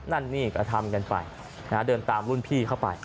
นั่นนี่ก็ทำกันไปเดินตามรุ่นพี่เข้าไป